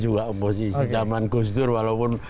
juga oposisi zaman gus dur walaupun